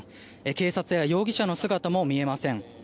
警察や容疑者の姿も見えません。